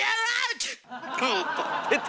「帰れ」って。